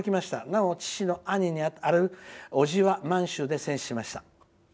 なお父の兄に当たるおじは満州で戦死しました。